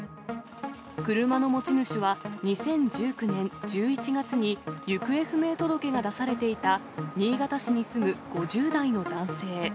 車の持ち主は２０１９年１１月に行方不明届が出されていた新潟市に住む５０代の男性。